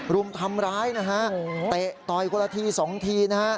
รุมทำร้ายนะฮะเตะตอยกว่าละที๒ทีนะฮะ